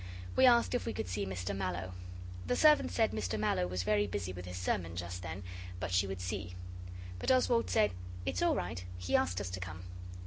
We asked if we could see Mr Mallow. The servant said Mr Mallow was very busy with his sermon just then, but she would see. But Oswald said, 'It's all right. He asked us to come.